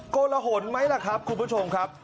โกลหนไหมล่ะครับคุณผู้ชมครับ